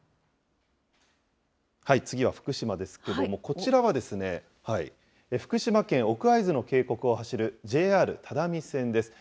次は福島ですけども、こちらは福島県奥会津の渓谷を走る、ＪＲ只見線です。